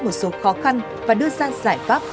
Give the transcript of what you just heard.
một số khó khăn và đưa ra giải pháp